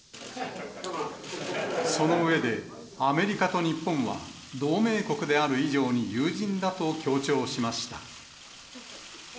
その上で、アメリカと日本は同盟国である以上に友人だと強調しました。